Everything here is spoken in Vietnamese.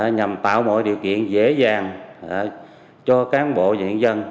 nhằm tạo mọi điều kiện dễ dàng cho cán bộ và nhân dân